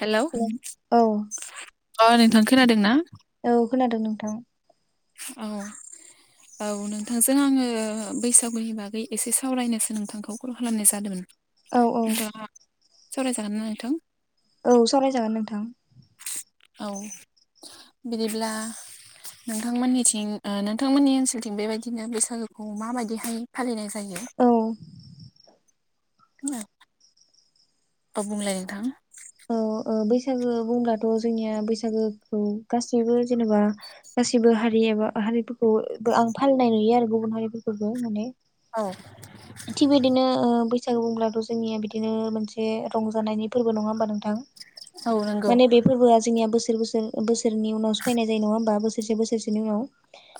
Hello औ अ नोंथां खोनादों ना थां औ औ नोंथांजों आङो बैसागुनि बागै एसे सावरायनोसो नोंथांखौ कल खालामनाय जादोंमोन औ औ नोंथाङा सावरायजागोन ना नोंथां? औ सावरायजागोन नोंथां औ बिदिब्ला नोंथांमोननिथिं ओ नोंथांमोननि ओनसोलथिं बेबायदिनो बैसागुखौ माबायदिहाय फालिनाय जा औ औ बुंलाय नोंथां औ बैसागो बुंब्लाथ' जोंनिया बैसागोखौ गाससिबो जेनेबा गासिबो हारि एबा हारिफोरखौ बो आं फालिनाय नुयो आरो गुबुन हारिफोरखौबो माने औ थिग बिदिनो ओ बैसागु बुंब्लाथ' जोंनिया बिदिनो मोनसे रंजानायनि फोरबो नङा होमबा नोंथां औ नंगौ माने बे फोरबोआ जोंनिया बोसोर सोर बोसोर बोसोरनि उनावसो फैनाय जायो नङा बा बोसोरसे बोसोरसेनि उनाव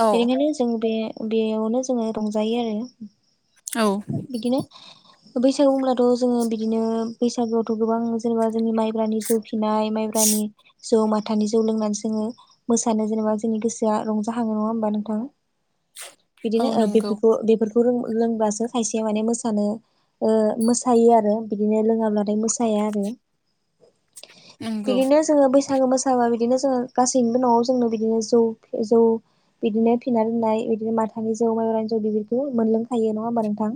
औ बेनिखायनो जों बे बेयावनो जोङो रंजायो आरो औ बिदिनो बैसागु होनब्लाथ' जोङो बिदिनो बैसागोआवथ' गोबां जेनेबा जोंनि माइब्रानि जौ फिनाय माइब्रानि जौ माथानि जौ लोंनानै जोङो मोसानो जेनेबा जोंनि गोसोआ रंजाखाङो नङा होमबा नोंथां [inaudible] औ बिदिनो ओ नंगौ बेफोरखौ बेफोरखौ रों रोंबासो खायसे माने मोसानो ओ मोसायो आरो बिदिनो लोङाब्लाथाय मोसाया आरो [inaudible] नंगौ बिदिनो जोङो बैसाग सागो मोसाबा बिदिनो जोङो गासैनिबो न'आव जोंनो बिदिनो जौ जौ बिदिनो फिना दोननाय बिदिनो माथानि जौ माइरानि जौ बेफोरफोरखौ मोनलोंखायो नङा होमबा नोंथा थां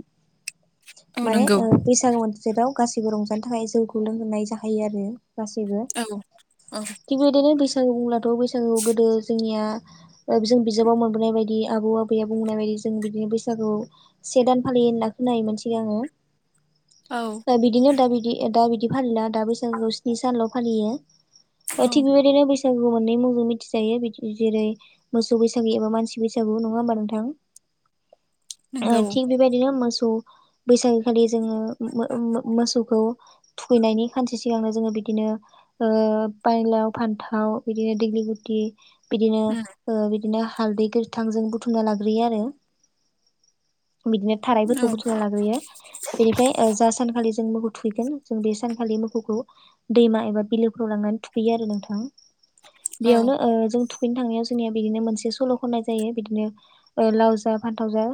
औ माने नंगौ ओ बैसागो [unintelligible] गासैबो रंजानो थाखाय जौखौ लोंहोनाय जाहैयो आरो गासैबो औ औ थिग बेदिनो बैस सागु बुंब्लाथ' बैसागु गोदो जोंनिया ओ जों बिजाबाव मोनबोनाय बायदि आबौ आबैया बुंनाय बायदि जों बिदिनो बैसागु से दान फालियो होनना खोनायोमोन सिगाङो औ ओ बिदिनो दा बिदि दा बिदि फालिला दा बैसाग स्नि सानल' फालियो औ थि बेबायदिनो बै सागु मोननै मुंजों मिथिजायो बिदि जेरै मोसौ बैसागु एबा मानसि बैसागु नङा होमबा नोंथां [inaudible] ओ नंगौ थिग बेबायदिनो मोसौ बैसागो खालि जोङो मो मो मोसौखौ थुखैनायनि खानसे सिगांनो जोङो बिदिनो ओ बायलाव फान्थाव बिदिनो दिग्लि लिथ थि बिदिनो उम ओ बिदि दिनो हालदै गोथां जों बुथुमना लाग्रोयो आरो बिदिनो थाराइफोरखौ औ बुथुमना लाग्रोयो बेनिफ्राय ओ जों सानखालि जों मोखौ थुइगोन जों बे सानखालि मोसौखौ दैमा एबा बिलोफ्राव लांनानै थुखैयो आरो नोंथां औ बेयावनो ओ जों थु खैनो थांनायाव जोंनिया बिदिनो मोनसे सल' खनाय जायो बिदिनो ओ लाव जा फानथाव जा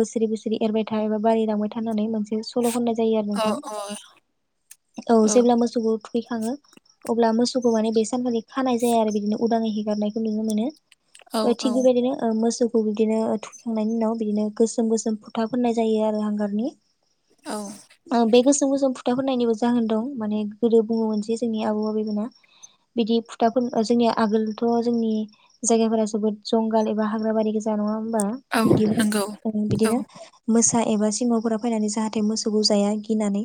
बोसोरै बोसोर एरबाय था एबा बाराय लांबाय थानानै मोनसे सल' होननाय जायो आरो औ नोंथा औ जेब्ला मोसौखौ थुखैखाङो अब्ला मोसौ फोरखौ माने बे सानखालि खानाय जाया आरो बिदिनो उदाङै हेगारनायखौ नुनो मोनो औ ओ थिग औ बेबायदिनो ओ मोसौखौ बिदिनो थुखांनायनि उनाव बिदिनो गोसोम गोसोम फोन था फनाय जायो आरो हांगारनि औ बेस गो गोसोम फुथाफोरनायनिबो जाहोन दं माने गोदो बुङोमोनसै जोंनि आबौ आबैमोना बिदि फुथाफोर जोंनिया आगोलथ' जोंनि जायगाफोरा जोबोद जंगाल एबा हाग्रा बारि गोजा नङा होमबा औ नंगौ बिदिमोन औ बिदिनो मोसा एबा सिङावफोरा फैनानै जाहाथे मोसौखौ जाया गिनानै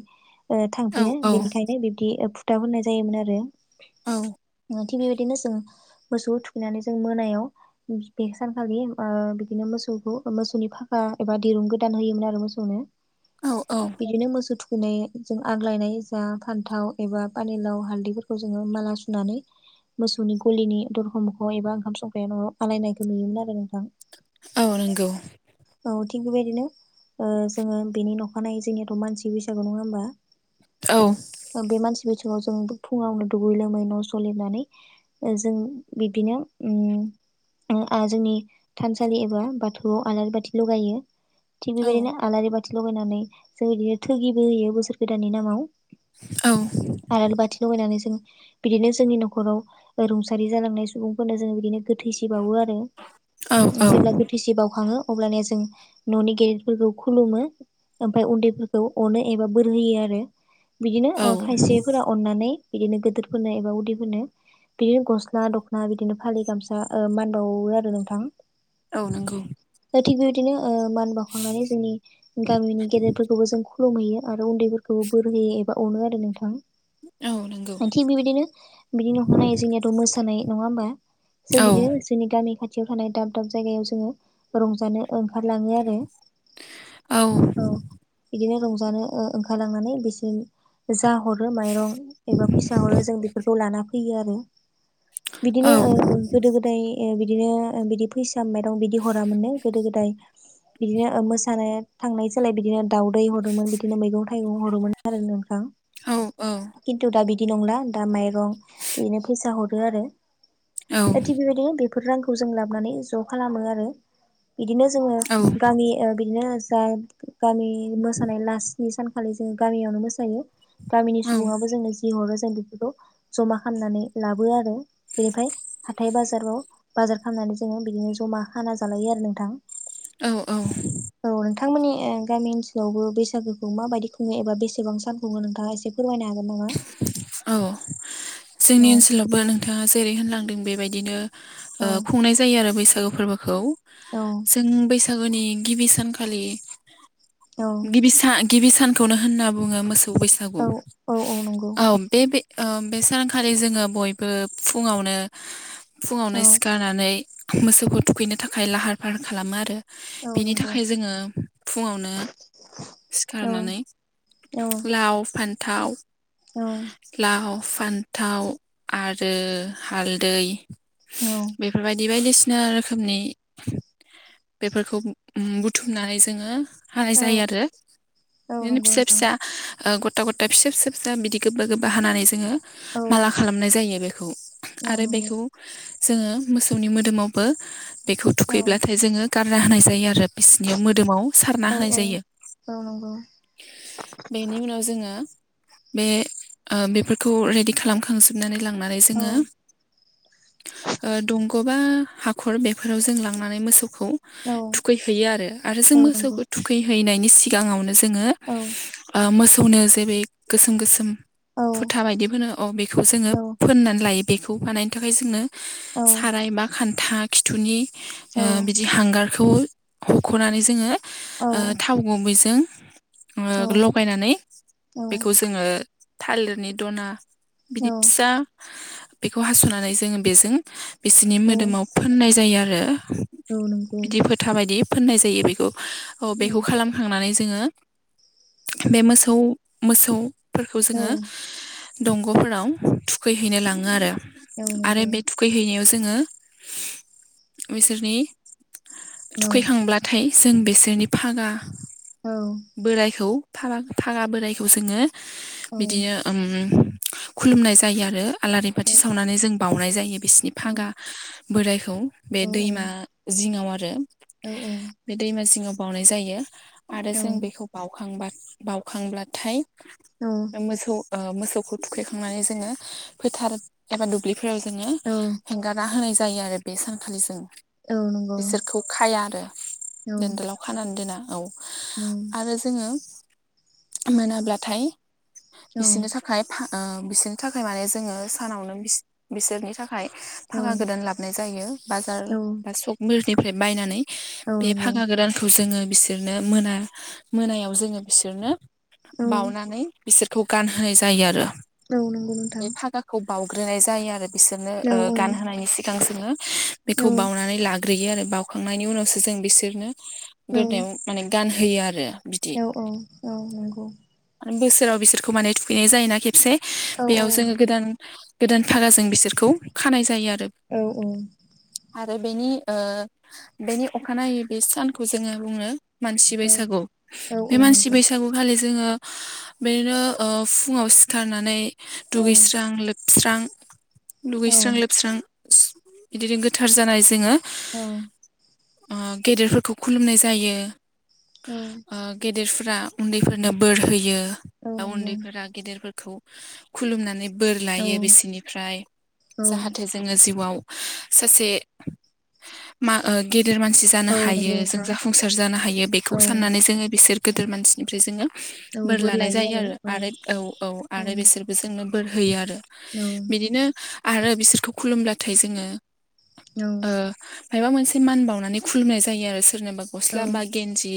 औ थांफिनो औ बेनिखायनो बिब्दि फुथाहरनाय जायोमोन आरो । औ । थिग बेबायदिनो जों मोसौखौ थुखैनानै जों मोनायाव बे सानखालि बिदिनो मोसौ मसौ मोसौनि फाखा एबा दिरुं गोदान होयोमोन आरो मोसौनो औ औ बिदिनो मोसौ दिनै जों आग्लायनाय जा फान्थाव एबा पानिलाव हालदैफोरखौ जोङो माला सुनानै मोसौनि गलिनि दरखं मोखाङाव एबा ओंखाम संख्राया न' आलायनायखौ नुयोमोन आरो । औ नंगौ । औ थिग बेबायदिनो ओ जोङो बेनि नखानायै जोंनियाथ' मानसि बैसागु नङा होमबा? औ अ बे मानसि बैसा गुाव जों फुङावनो दुगै लोमै न' सलिनानै ओ जों बिबदिनो उम ओं आ जोंनि थानसालि एबा बाथौआव आलारि बाथि लगायो । थिग औ बेबायदिनो आलारि बाथि लगायनानै जों बिदिनो थोगिबो होयो बोसोर गोदाननि नामाव । आरालि बाथि लगायनानै जों बिदिनो जोंनि न'खराव रुंसारि जालांनाय सुबुंफोरनो जोङो इदिनो गोथैसि बावो आरो औ । जेब्ला गोथैसि बावखाङो अब्लानिया जों न'नि गेटफोरखौ खुलुमो ओमफाय उन्दैफोरखौ अनो एबा बोरहयो आरो । बिदिनो औ ओ खायसेफोरा अननानै बिदिनो गिदोरफोरनो एबा उदैफोरनो बिदिनो गस्ला दख'ना बिदिनो फालि गामसा ओ मानदावो आरो नोंथां । औ नंगौ । ओ थिग बिबायदिनो ओ मान बाव जों खुलुमहैयो आरो उन्दैफोरखौबो बोर होयो एबा अनो आरो नोंथां । औ । थिग बेबायदिनो बिदिनो नखा नायै जोंनियाथ' मोसानाय नङा होमबा? जों औ बिदिनो जोंनि गामि खाथियाव थानाय दाब दाब जायगायाव जोङो रंजानो ओंखारलाङो आरो । [inaudible] औ । इदिनो रंजानो ओंखारलांनानै बिसोर जा हरो माइरं एबा फैसा हरो जों बेफोरखौ लाना फैयो आरो। बिदिनो औ गोदो गोदाय ओ बि दिनो बिदि फैसा माइरं बिदि हराोननो गोदो गोदाय बिदिनो मोसानो थांनाय जोलाय बिदिनो दाउदै हरोमोन बिदिनो मैगं थाइगं हरोमोन आरो नोंथां। औ औ खिन्थु दा बिदि नंला दा माइरं बिदिनो फैसा हरो आरो । दा थिग बेबायदिनो बेफोर रांखौ जों लाबोनानै ज' खालामो आरो । बिदिनो जोङो गामि ओ बिदिनो जा गामि मोसानाय लास स्नि सानखालि जोङो गामियावनो मोसायो गामिनि औ सुबुङाबो जोंनो जि हरो जों बेफोरखौ जमा खालामनानै लाबो आरो बेनिफ्राय हाथाय बाजाराव बाजार खालामनानै जोङो बिदिनो जमा खाना जालायो आरो नोंथां। औ नोंथां । नोंथांमोननि गामि ओनसोलावबो बैसागोखौ माबायदि खुङो एबा बेसेबां सान खुङो नोंथाङा एसे फोरमायनो हागोन? नामा [inaudible] औ जोंनि औ ओनसोलावबो नोंथाङा जेरै होनलांदों बेबायदिनो ओ औ खुंनाय जायो आरो बैसागु फोरबोखौ। औ जों बैसाग गुनि गिबि सानखालि, औ गिबि सा- गिबि सानखौनो होनना बुङो मोस बैसागु औ औ औ नंगौ औ बे ओ बे सानखालि जोङो बयबो फुङावनो औ फुङावनो सिखारनानै मोसौखौ थुखैनो थाखाय लाहार फाहार खालामो आरो औ बेनि नंगौ थाखाय जोङो फुङावनो औ सिखारनानै औ लाव फान औ फान्थाव आरो हालदै औ बेफोरबायदि बायदिसि ना रोखोमनि बेफोरखौ बुथुमनानै जोङो हानाय जायो औ आरो। औ बिदिनो नंगौ फिसा नोंथां फिसा गथा गथा फिसा फि सा बिदि गोबा गोबा हानानै जोंङो औ माला खालामनाय जायो बेखौ। औ आरो नंगौ बेखौ जोङो मोसौनि मोदोमावबो बेखौ औ थुखैब्लाथाय जोङो गारना होनाय जायो आरो बिसिनियाव मोदोमाव सारना औ होनाय औ जायो। औ नंगौ [inaudible] बेनि उनाव जोङो बे बेफोरखौ रेडि खालामखांजोबनानै लां माने औ जोंङो ओ दंग बबेबा हाखर बेफोराव जों लांनानै मोसौखौ औ थुखैहैयो आरो जों औ नंगौ मोसौखौ थुखैहैनायनि सिगांङावनो जों जोंङो औ मोसौनो जेरै गोसोम गोसोम औ फुथा बायदि फोनो अ बेखौ जोंङो औ फोननानै लायो बेखौ बानायनो थाखाय जोंनो औ साराय बा खान्था खिथुनि औ बिदि हांगार खौ हख'नानै जोंङो औ औ नंगौ औ थाव गुबैजों नंगौ औ लगायनानै औ बेखौ जोंङो थालिरनि द'ना बिदि फिसा बेखौ हासनानै जोंङो बेजों बिसोरनि मोदोमाव फोननाय जायो आरो औ नंगौ बिदि फोथा बायदि फोननाय जायो बेखौ बेखौ खालामखांनानै जोंङो बे मोसौ मोसौफोरखौ जोंङो दंग'फोराव थुखैहैनो लाङो आरो औ नंगौ औ आरो बे थुखैहैनायाव जोंङो बिसोरनि थुखैखांब्लाथाय जों बिसोरनि फागा औ बोरायखौ फागा बोरायखौ जोंङो बिदिनो ओम खुलुमनाय जायो आरो आलारि बाथि सावनानै जों बावनाय जायो बिसिनि फागा बोरायखौ बे दैमा जिंङाव आरो बे दैमा जिंङाव बावनाय जायो आरो जों औ बेखौ बावखांब बावखांब्लाथाय मोसौ ओ मोसौ थुखैखांनानै जोंङो फोथार एबा दुब्लिफोराव जोंङो हगारना होनाय जायो जायो आरो बे सानखालि जों औ औ बिसोरखौ खाया आरो दोनदालाव खानानै दोना औ आरो जोंङो मोनाब्लाथाय बिसोरनि थाखाय ओ बिसोरनि थाखाय माने जोंङो सानावनो बिसोरनि थाखाय थाखाय फागा गोदान लाबाय जायो बाजार बा सक मिलनिफ्राय बायनानै बे नंगौ फागा गोदानखौ जोंङो बिसोरनो मोना मोनायाव जोंङो बिसोरनो औ बावनानै बिसोरखौ गानहोनाय जायो आरो औ नंगौ नोंथां बावग्रोनाय जायो आरो बिसोरनो औ गानहोनायनि सिगां जोंङो औ बेखौ बावउनानै ला ग्रोयो आरो बावउखांनायनि उनावसो जों बिसोरनो गोदनायाव माने गानहोयो आरो बिदि औ-औ-औ नंगौ बोसोराव बिसोरखौ माने थुखैनाय जायोना खेबसे औ बेयाव जोंङो गोदान गोदान फागाजों बिसोरखौ खानाय जायो आरो औ-औ आरो बेनि ओ बेनि अखानायै बे सानखौ जोंङो बुंङो मानसि औ बैसागु औ बे औ मानसि नंगौ बैसागु खालि जोंङो बेदिनो फुंङाव सिखारनानै औ दुगैस्रां लोब स्रां औ दुगैस्रां लोबस्रां बिदिनो गोथार जानाय जोंङो औ गेदेरफोरखौ खुलुमनाय जायो औ ओ गेदेरफोरा उन्दैफोरनो बोर होयो औ बा नंगौ उन्दैफोरा गेदिरफोरखौ खुलुमनानै बोर औ लायो बिसोनिफ्राय औ जाहाथे जोङो जिउआव सासे [unintelligible] गिदिर मानसि जानो औ नंगौ हायो जों नोंथां जाफुंसार जानो हायो बेखौ औ साननानै जोङो बिसोर गिदिर मानसिनिफ्राय जोङो औ बोर लानाय लायो जायो औ आरो आरो औ-औ औ आरो बेसोरबो जोंनो बोर होयो आरो औ बिदिनो आरो बिसोरखौ खुलुमब्लाथाय जोङो औ ओ मायबा मोनसे मान बावनानै खुलुमनाय जायो आरो सोरनोबा औ गस्ला बा गेन्जि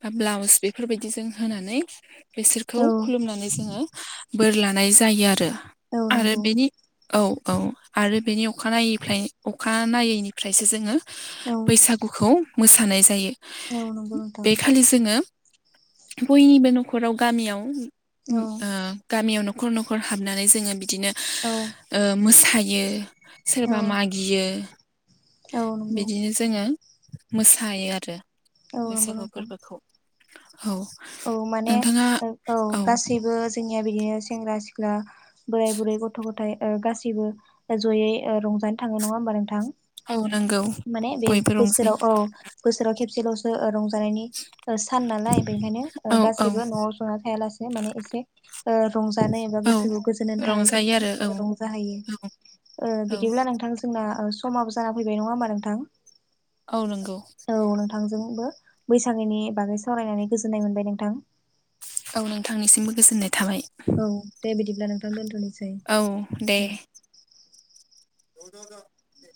बा ब्लाउस बेफोरबायदि जों होनानै बेसोरखौ औ खुलुमनानै जोङो बोर लानाय जायो आरो औ आरो नंगौ बेनि औ औ आरो बेनि अखानायै अखानायनायैनिफ्रायसो जोङो औ बैसागुखौ मोसानाय जायो औ नंगौ नोथां बे खालि जोङो बयनिबो न'खराव गामियाव औ गामियाव न'खर न'खर हाबनानै जोङो बिदिनो औ ओ मोसायो सोरबा औ मागियो औ नंगौ बिदिनो जोङो मोसायो आरो औ नंगौ बैसागु नोंथां फोरबोखौ औ औ माने नोंथाङा औ गासैबो जों बिदिनो सेंग्रा सिख्ला बोराय बुरै गथ' गथ गाससिबो जयै रंजायो थाङो नङा होमबा नोंथां औ नंगौ माने बे बयबो बोसोराव रंजायो औ बोसोराव खेबसे लसो ज रंजानायनि सान नालाय बेनिखायनो औ औ गाैसैबो न'आव जना थायालासेनो माने एसे रंजानो एबा औ गोसोखौ गोजोनो थाखाय जों रंजायो माने आरो औ रंजाहैयो औ बिदिब्ला नोंथां जोंना समाबो जाना फैबाय नङा हबा नोंथां औ नंगौ औ नोंथांजोंबो बैसागैनि बागै सावरायनानै गोजोननाय मोनबाय नोंथां औ नोंथांनिसिमबो गोजोननाय थाबाय औ दे बिदिब्ला नोंथां दोनथ'नोसै औ दे उम [unintelligible] [inaudible]